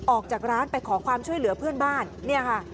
ออกจากร้านไปขอความช่วยเหลือเพื่อนบ้านเนี่ยค่ะ